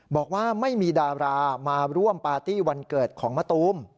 บอกว่าไม่มีดารามาร่วมปาร์ตี้วันเกิดของมะตูม